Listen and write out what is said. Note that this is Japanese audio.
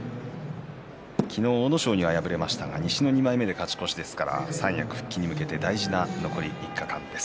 昨日、阿武咲には敗れましたが西の２枚目で勝ち越しですので三役復帰に向けて大事な残り３日間です。